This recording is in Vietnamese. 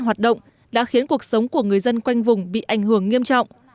hoạt động đã khiến cuộc sống của người dân quanh vùng bị ảnh hưởng nghiêm trọng